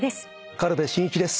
軽部真一です。